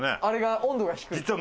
あれが温度が低い。